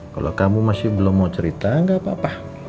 kalo kamu masih belum mau cerita gak apa apa